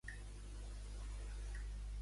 Què ha pogut demostrar López i el seu equip?